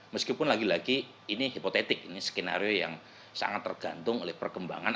meskipun lagi lagi ini hipotetik ini skenario yang sangat tergantung oleh perkembangan